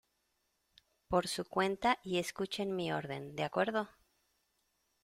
por su cuenta y escuchen mi orden, ¿ de acuerdo?